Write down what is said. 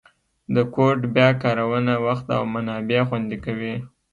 د کوډ بیا کارونه وخت او منابع خوندي کوي.